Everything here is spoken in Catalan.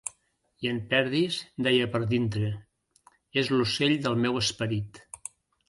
I en Perdis deia per dintre: És l'ocell del meu esperit.